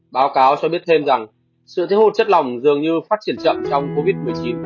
báo cáo cho biết thêm rằng sự thiếu hụt chất lòng dường như phát triển chậm trong covid một mươi chín